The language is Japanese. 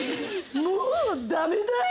もうダメだ。